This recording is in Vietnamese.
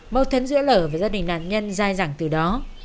mâu thuẫn giữa lờ và gia đình nạn nhân dài dẳng từ đó